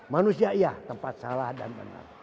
manusia iya tempat salah dan benar